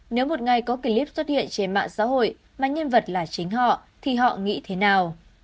nếu một ngày có clip xuất hiện trên mạng xã hội mà nhân vật là chính họ thì họ nghĩ thế nào